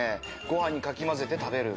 ご飯にかきまぜて食べる。